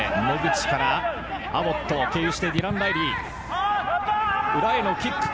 野口からアボット、経由してディラン・ライリー。